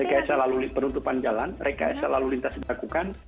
rekayasa lalu penutupan jalan rekayasa lalu lintas dilakukan